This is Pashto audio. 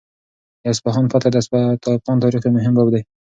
د اصفهان فتحه د افغان تاریخ یو مهم باب دی.